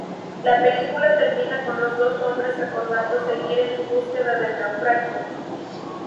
La película termina con los dos hombres acordando seguir en su búsqueda del naufragio.